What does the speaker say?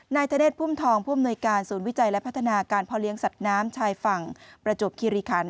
นายธเนศพุ่มทองผู้อำนวยการศูนย์วิจัยและพัฒนาการพ่อเลี้ยงสัตว์น้ำชายฝั่งประจวบคิริคัน